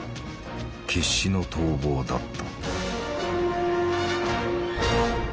決死の逃亡だった。